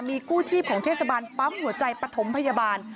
มีกู้ชีพของเทศบาลปั๊มหัวใจปฐมพยาบาล